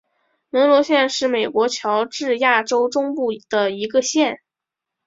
门罗县是美国乔治亚州中部的一个县。